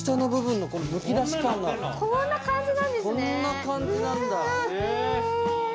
こんな感じなんですね。